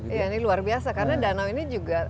iya ini luar biasa karena danau ini juga